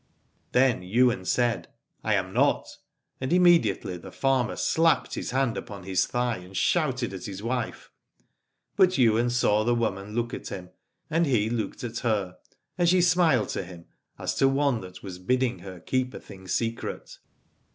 Then Ywain said, I am not, and immedi ately the farmer slapped his hand upon his thigh and shouted at his wife. But Ywain saw the woman look at him, and he looked at her, and she smiled to him as to one that was bidding her keep a thing secret.